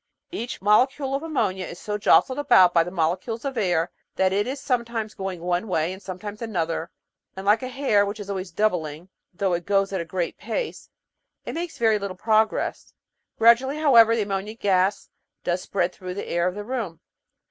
"Each molecule of ammonia is so jostled The Romance of Chemistry 725 about by the molecules of air, that it is sometimes going one way and sometimes another, and like a hare, which is always doubling, though it goes at a great pace, it makes very little progress." Gradually, however, the ammonia gas does spread through the air of the room.